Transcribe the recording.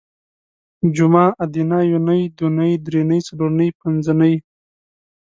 جومه ادینه یونۍ دونۍ درېنۍ څلورنۍ پنځنۍ